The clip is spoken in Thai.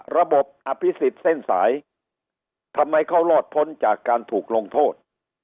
อภิษฎเส้นสายทำไมเขารอดพ้นจากการถูกลงโทษ